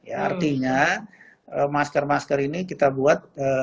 artinya masker masker ini kita buat